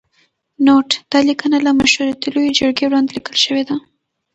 نوټ: دا لیکنه له مشورتي لویې جرګې وړاندې لیکل شوې ده.